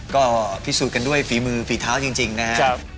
ก็พิสูจน์กันด้วยฝีมือฝีเท้าจริงนะครับ